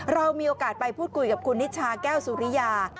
เรามีโอกาสไปพูดคุยกับคุณนิชาแก้วสุริยา